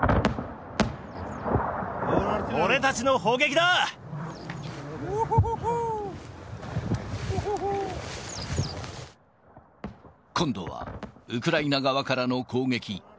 俺たちの砲撃だ。今度はウクライナ側からの攻撃。